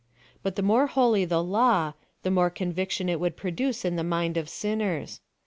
But the more holy the law, the more conviction it would produce in the mind of sinners.